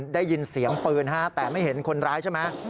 ได้ยินเสียงปืนฮะแต่ไม่เห็นคนร้ายใช่ไหม